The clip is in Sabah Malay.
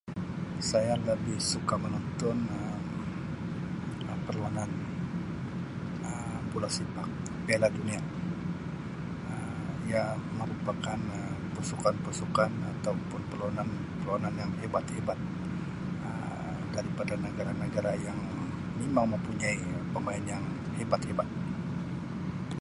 Saya lebih suka menonton Um perlawanan Um Bola Sepak piala dunia ia merupakan Um pasukan-pasukan atau pun perlawanan perlawanan yang hebat-hebat Um dan pada negara-negara yang mimang mempunyai pemain yang hebat-hebat.